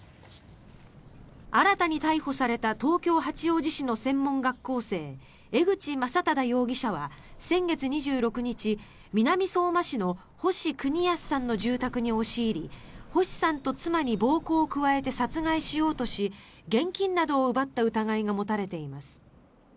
新たに逮捕された東京・八王子市の専門学校生江口将匡容疑者は先月２６日南相馬市の星邦康さんの住宅に押し入り星さんと妻に暴行を加えて殺害しようとし現金などを奪った疑いが持たれています。